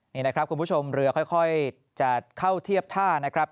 นี่นะครับคุณผู้ชมเรือค่อยจะเข้าเทียบท่านะครับ